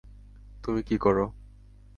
তুমি কি করো--?